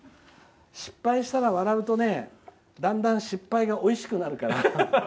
失敗したら笑うとだんだん失敗がおいしくなるから。